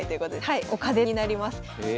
はいお金になります。